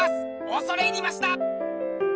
おそれ入りました！